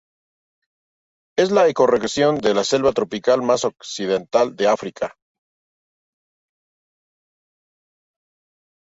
Es la ecorregión de selva tropical más occidental de África.